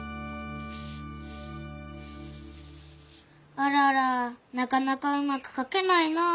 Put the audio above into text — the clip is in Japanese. あららなかなかうまく書けないなぁ。